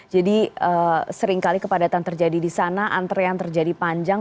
jadi seringkali kepadatan terjadi di sana antre yang terjadi panjang